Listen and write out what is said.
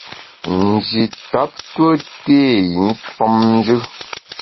Nji tap tue té i femnjù.